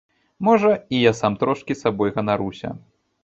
Можа, і я сам трошкі сабой ганаруся.